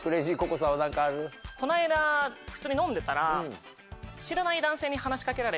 この間普通に飲んでたら。